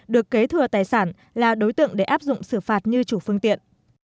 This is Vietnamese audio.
được kế thừa tài sản là đối tượng để áp dụng xử phạt như chủ phương tiện